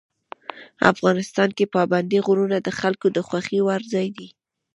افغانستان کې پابندي غرونه د خلکو د خوښې وړ ځای دی.